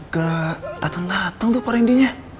gateng gateng tuh pak randy nya